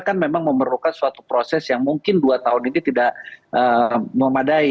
kan memang memerlukan suatu proses yang mungkin dua tahun ini tidak memadai